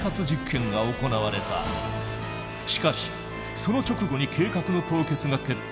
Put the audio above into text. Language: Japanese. しかしその直後に計画の凍結が決定。